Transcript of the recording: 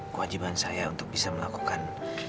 kewajiban saya untuk bisa melakukan